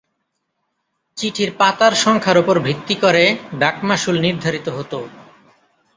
চিঠির পাতার সংখ্যার ওপর ভিত্তি করে ডাক মাশুল নির্ধারিত হত।